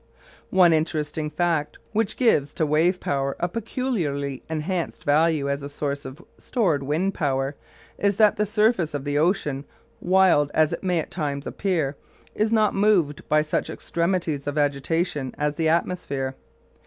One interesting fact, which gives to wave power a peculiarly enhanced value as a source of stored wind power, is that the surface of the ocean wild as it may at times appear is not moved by such extremes of agitation as the atmosphere.